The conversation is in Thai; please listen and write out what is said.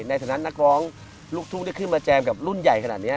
ในฐานะนักร้องลูกทุ่งที่ขึ้นมาแจมกับรุ่นใหญ่ขนาดนี้